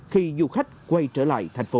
khi du khách quay trở lại thành phố